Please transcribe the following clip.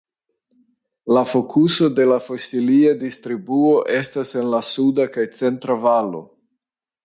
La fokuso de la fosilia distribuo estas en la suda kaj centra valo.